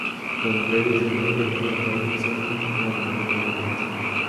Las mujeres de la Etnia tai son las de mayor incremento.